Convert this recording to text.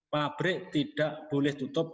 pabrik tidak boleh tutup